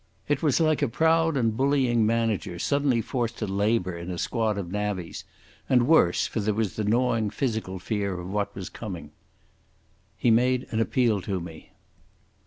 It was like a proud and bullying manager suddenly forced to labour in a squad of navvies, and worse, for there was the gnawing physical fear of what was coming. He made an appeal to me.